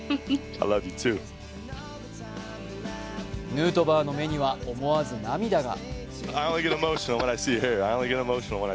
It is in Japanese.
ヌートバーの目には思わず涙が。